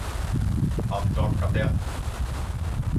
Allt klart, kapten!